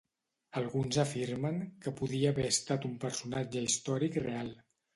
Alguns afirmen que podia haver estat un personatge històric real.